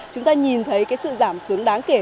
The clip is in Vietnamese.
chúng ta nhìn thấy sự giảm xuống đáng kể